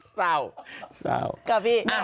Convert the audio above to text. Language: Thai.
สาวสาวก็วิ่งอ้าว